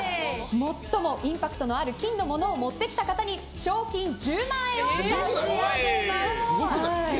最もインパクトのある金のものを持ってきた方に賞金１０万円を差し上げます。